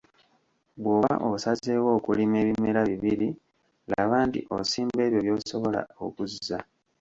Bw’oba osazeewo okulima ebimera bibiri, laba nti osimba ebyo by’osobola okuzza.